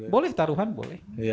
boleh taruhan boleh